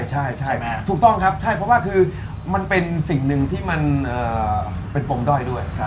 ใช่แม่ถูกต้องครับใช่เพราะว่าคือมันเป็นสิ่งหนึ่งที่มันเป็นปมด้อยด้วย